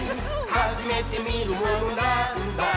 「はじめてみるものなぁーんだ？」